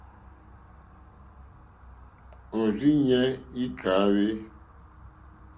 Òrzìɲɛ́ î kàhwé.